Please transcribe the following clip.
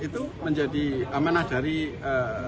itu menjadi amanah dari rapi masjid